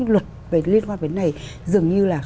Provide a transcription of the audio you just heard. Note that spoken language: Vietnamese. luật liên quan đến này dường như là